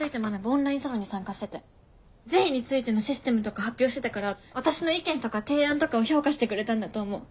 オンラインサロンに参加してて善意についてのシステムとか発表してたから私の意見とか提案とかを評価してくれたんだと思う。